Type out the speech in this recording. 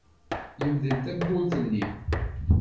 Yemdel tawwurt-nni.